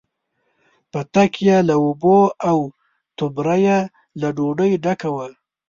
پتک یې له اوبو، او توبره یې له ډوډۍ ډکه وه.